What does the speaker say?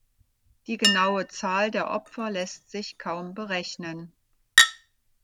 Die genaue Zahl der Opfer lässt sich kaum berechnen.